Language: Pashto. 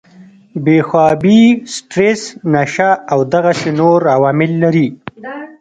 بې خوابي ، سټريس ، نشه او دغسې نور عوامل لري